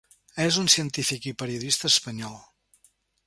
És un científic i periodista espanyol.